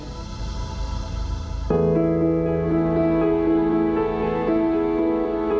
โปรดติดตามตอนต่อไป